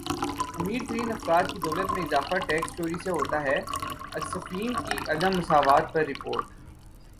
امیر ترین افراد کی دولت میں اضافہ ٹیکس چوری سے ہوتا ہےاکسفیم کی عدم مساوات پر رپورٹ